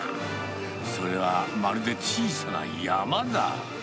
それはまるで小さな山だ。